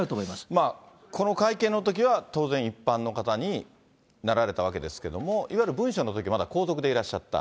まあ、この会見のときは、当然、一般の方になられたわけですけども、いわゆる文書のときはまだ皇族でいらっしゃった。